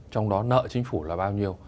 trong đó nợ chính phủ là bao nhiêu